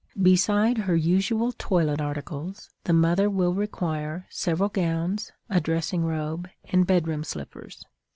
Beside her usual toilet articles, the mother will require several gowns, a dressing robe, and bedroom slippers.